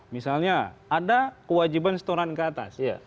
misalnya ada kewajiban setoran ke atas